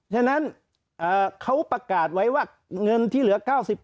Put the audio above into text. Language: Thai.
ฉะนั้นเขาประกาศไว้ว่าเงินที่เหลือ๙๐